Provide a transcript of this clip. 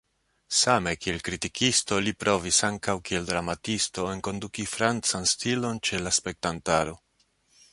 Same kiel kritikisto li provis ankaŭ kiel dramisto enkonduki francan stilon ĉe la spektantaro.